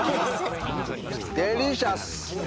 デリシャス。